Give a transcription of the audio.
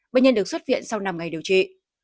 bệnh nhân được xuất viện sau năm ngày điều trị